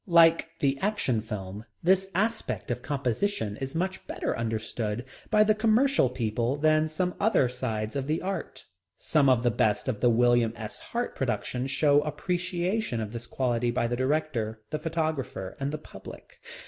Like the Action Film, this aspect of composition is much better understood by the commercial people than some other sides of the art. Some of the best of the William S. Hart productions show appreciation of this quality by the director, the photographer, and the public.